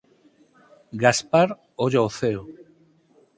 Gaspar olla ó ceo.